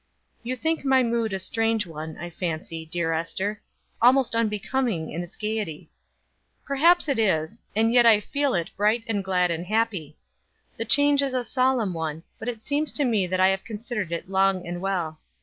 "You think my mood a strange one, I fancy, dear Ester; almost unbecoming in its gayety. Perhaps it is, and yet I feel it bright and glad and happy. The change is a solemn one, but it seems to me that I have considered it long and well.